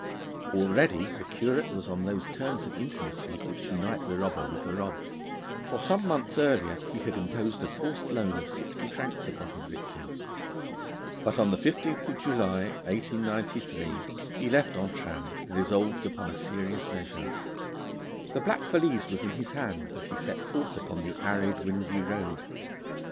Already the curate was on those terms of intimacy which unite the robber with the robbed; for some months earlier he had imposed a forced loan of sixty francs upon his victim. But on the 15th of July 1893, he left Entrammes, resolved upon a serious measure. The black valise was in his hand, as he set forth upon the arid, windy road.